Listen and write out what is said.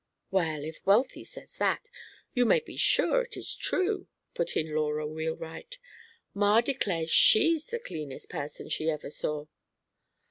"Well, if Wealthy says that, you may be sure it is true," put in Laura Wheelwright. "Ma declares she's the cleanest person she ever saw."